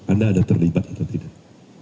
anda ada terlibat atau tidak